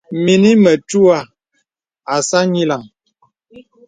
Mìnī mətuə̀ àsā nyìləŋ.